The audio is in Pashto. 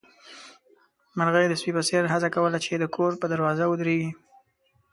مرغۍ د سپي په څېر هڅه کوله چې د کور پر دروازه ودرېږي.